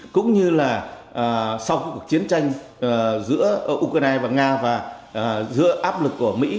cũng như là sau cuộc chiến tranh giữa ukraine và nga và giữa áp lực của mỹ